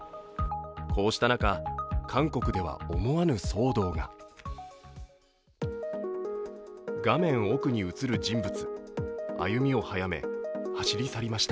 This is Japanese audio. こうした中、韓国では思わぬ騒動が画面奥に映る人物、歩みを早め、走り去りました。